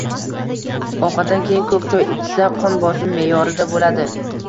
Ovqatdan keyin ko‘k choy ichsa, qon bosimi me’yorida bo‘ladi.